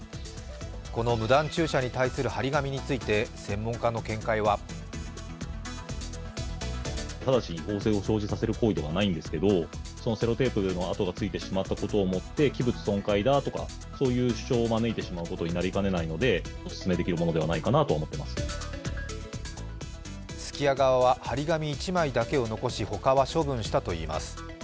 この無断駐車に対する貼り紙について専門家の見解はすき家側は貼り紙１枚だけを残しほかは処分したといいます。